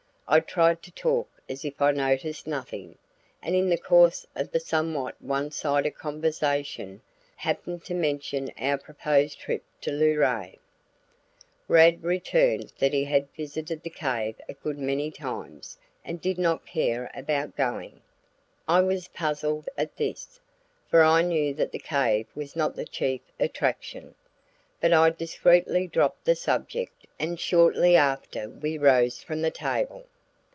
I tried to talk as if I noticed nothing; and in the course of the somewhat one sided conversation, happened to mention our proposed trip to Luray. Rad returned that he had visited the cave a good many times and did not care about going. I was puzzled at this, for I knew that the cave was not the chief attraction, but I discreetly dropped the subject and shortly after we rose from the table.